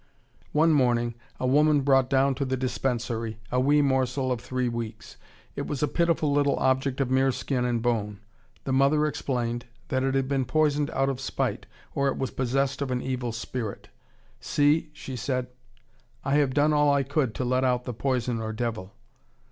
One morning a woman brought down to the dispensary a wee morsel of three weeks; it was a pitiful little object of mere skin and bone. The mother explained that it had been poisoned out of spite, or it was possessed of an evil spirit. "See," said she, "I have done all I could to let out the poison or devil."